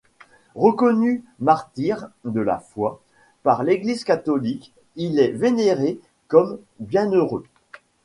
Reconnu martyr de la foi par l'Église catholique, il est vénéré comme bienheureux.